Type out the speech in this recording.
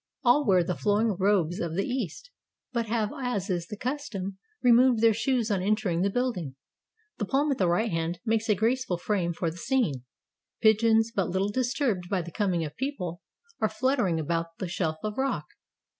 All wear the flowing robes of the East, but have, as is the custom, removed their shoes on entering the build ing. The palm at the right hand makes a graceful frame for the scene; pigeons, but little disturbed by the coming of people, are fluttering about the shelf of rock.